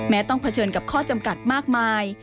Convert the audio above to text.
ต้องเผชิญกับข้อจำกัดมากมาย